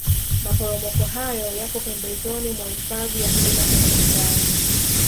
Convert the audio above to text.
maporomoko hayo yako pembezoni mwa hifadhi ya mlima Kilimanjaro